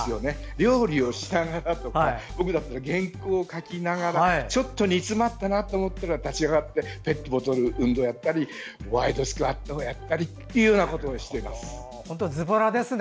料理をしながらとか僕だったら原稿を書きながらちょっと煮詰まったと思ったら立ち上がってペットボトル運動をやったりワイドスクワットをやったり本当、ズボラですね！